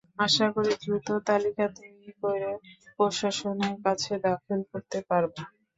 আশা করি, দ্রুত তালিকা তৈরি করে প্রশাসনের কাছে দাখিল করতে পারব।